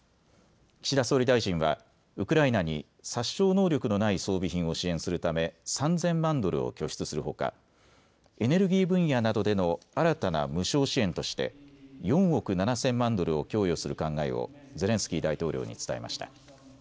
岸田総理大臣はウクライナに殺傷能力のない装備品を支援するため３０００万ドルを拠出するほかエネルギー分野などでの新たな無償支援として４億７０００万ドルを供与する考えをゼレンスキー大統領に伝えました。